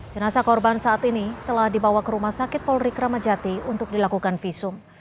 jenazah korban saat ini telah dibawa ke rumah sakit polri kramajati untuk dilakukan visum